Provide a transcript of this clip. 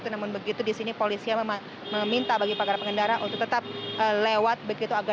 namun begitu di sini polisi meminta bagi para pengendara untuk tetap lewat begitu